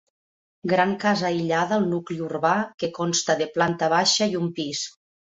Gran casa aïllada al nucli urbà que consta de planta baixa i un pis.